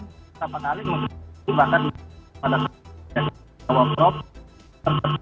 saya pertama kali menghadirkan pembahasan kepada masyarakat yang berpengalaman